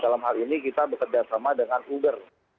dalam hal ini kita bekerja sama dengan uber